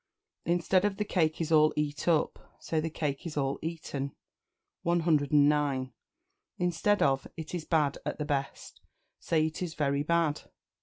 Instead of "The cake is all eat up," say "The cake is all eaten." 109. Instead of "It is bad at the best," say "It is very bad."